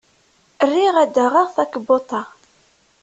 Riɣ ad d-aɣaɣ takebbuḍt-a.